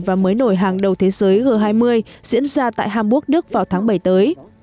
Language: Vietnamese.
và mới nổi hàng đầu thế giới g hai mươi diễn ra tại hamburg đức vào tháng bảy tới